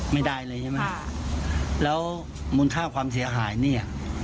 ไม่ได้เลยใช่ไหมแล้วมูลค่าความเสียหายนี่